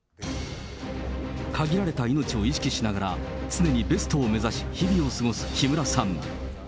限られた命を意識しながら、常にベストを目指し、日々を過ごす木村さん。